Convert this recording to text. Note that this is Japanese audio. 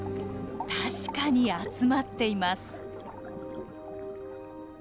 確かに集まっています。